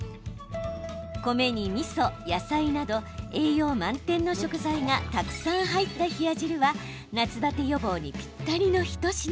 米にみそ、野菜など栄養満点の食材がたくさん入った冷や汁は夏バテ予防にぴったりの一品。